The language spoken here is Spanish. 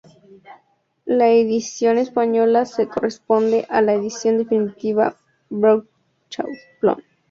La edición española se corresponde a la edición definitiva Brockhaus-Plon.